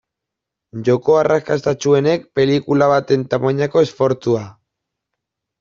Joko arrakastatsuenek pelikula baten tamainako esfortzua.